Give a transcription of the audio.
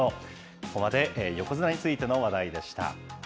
ここまで横綱についての話題でした。